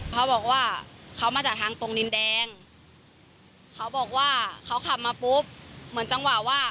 เขาบอกว่าเขามาจากทางตรงดินแดงเขาบอกว่าเขาขับมาปุ๊บเหมือนจังหวะว่า